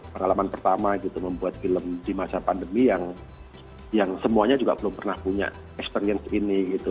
pengalaman pertama gitu membuat film di masa pandemi yang semuanya juga belum pernah punya experience ini gitu